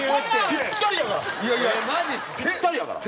ぴったりやから！